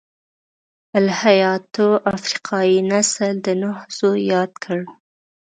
الهیاتو افریقايي نسل د نوح زوی یاد کړ.